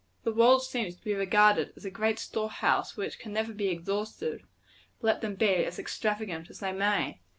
The world seems to be regarded as a great store house which can never be exhausted, let them be as extravagant as they may.